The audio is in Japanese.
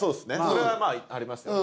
それはありますよね。